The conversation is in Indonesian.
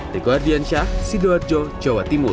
dikohardiansyah sidoarjo jawa timur